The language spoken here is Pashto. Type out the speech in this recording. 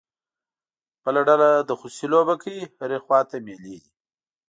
بله ډله د خوسی لوبه کوي، هرې خوا ته مېلې دي.